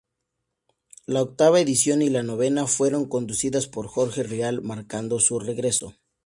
La octava edición y la novena, fueron conducidas por Jorge Rial, marcando su regreso.